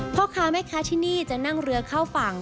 พ่อค้าแม่ค้าที่นี่จะนั่งเรือเข้าฝั่ง